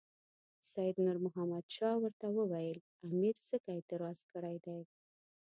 سید نور محمد شاه ورته وویل امیر ځکه اعتراض کړی دی.